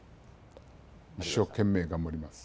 一所懸命、頑張ります。